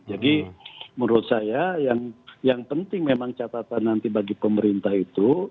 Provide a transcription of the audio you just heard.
jadi menurut saya yang penting memang catatan nanti bagi pemerintah itu